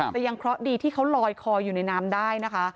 แต่ยังเคราะห์ดีที่เขาลอยคออยู่ในน้ำได้นะคะ